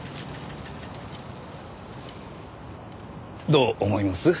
どう思います？